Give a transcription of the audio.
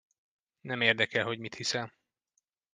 Nem érdekel, hogy mit hiszel.